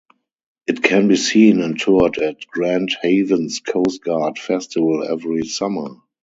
It can be seen and toured at Grand Haven's Coast Guard Festival every summer.